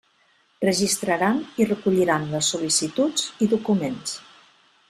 Registraran i recolliran les sol·licituds i documents.